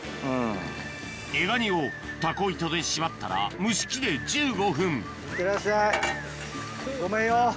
エガニをたこ糸で縛ったら蒸し器で１５分ごめんよ。